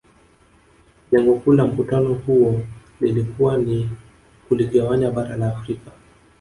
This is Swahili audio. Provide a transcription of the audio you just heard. Lengo kuu la Mkutano huo lilikuwa ni kuligawanya bara la Afrika